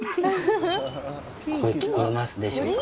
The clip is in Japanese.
声聞こえますでしょうか？